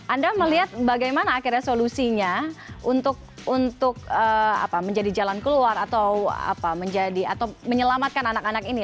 anda melihat bagaimana akhirnya solusinya untuk menjadi jalan keluar atau menjadi atau menyelamatkan anak anak ini